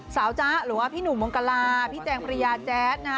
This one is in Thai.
สาวจะหรือว่าพี่หนูมงกราพี่แจงพรรยาแจ๊สนะ